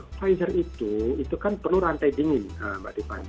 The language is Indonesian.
pfizer itu itu kan perlu rantai dingin mbak tiffany